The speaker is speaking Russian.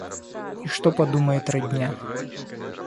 И что подумает родня?